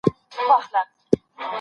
هغه کورس چي زه پکښي یم ډېر معیاري دی.